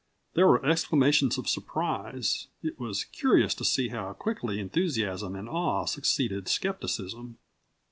There were exclamations of surprise. It was curious to see how quickly enthusiasm and awe succeeded skepticism.